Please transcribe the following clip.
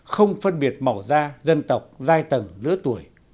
không phân biệt màu da dân tộc giai tầng lứa tuổi